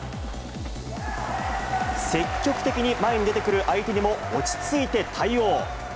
積極的に前に出てくる相手にも落ち着いて対応。